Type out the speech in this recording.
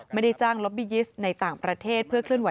ไม่ได้จ้างล็อบบียิสต์ในต่างประเทศ